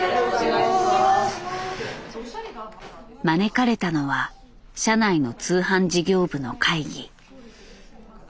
招かれたのは社内の通販事業部の会議。